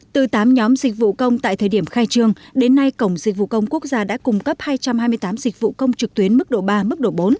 từ tám nhóm dịch vụ công tại thời điểm khai trương đến nay cổng dịch vụ công quốc gia đã cung cấp hai trăm hai mươi tám dịch vụ công trực tuyến mức độ ba mức độ bốn